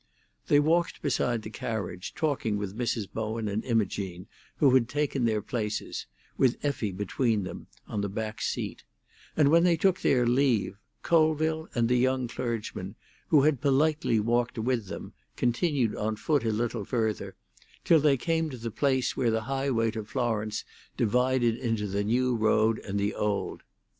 They walked beside the carriage, talking with Mrs. Bowen and Imogene, who had taken their places, with Effie between them, on the back seat; and when they took their leave, Colville and the young clergyman, who had politely walked with them, continued on foot a little further, till they came to the place where the highway to Florence divided into the new road and the old.